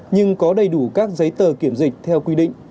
nhưng có đầy đủ các giấy tờ kiểm dịch theo quy định